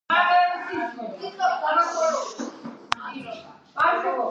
ჰაველი პრეზიდენტი „ხავერდოვანი რევოლუციის“ შედეგად გახდა.